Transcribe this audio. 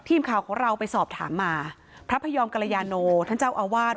ทีมข่าวของเราไปสอบถามมาพระพยอมกรยาโนท่านเจ้าอาวาส